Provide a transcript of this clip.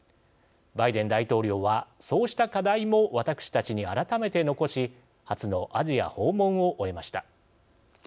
バイデン大統領はそうした課題も私たちに改めて残し初のアジア訪問を終えました。